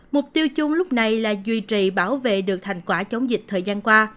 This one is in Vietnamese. mục tiêu chung lúc này là duy trì bảo vệ được thành quả chống dịch thời gian qua